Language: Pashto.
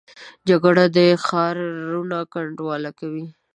جګړه ښارونه کنډواله کوي